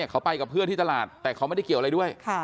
เขาไปกับเพื่อนที่ตลาดแต่เขาไม่ได้เกี่ยวอะไรด้วย